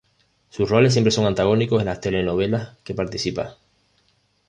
Sus roles siempre son antagónicos en las telenovelas que participa.